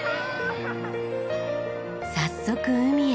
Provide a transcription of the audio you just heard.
早速海へ。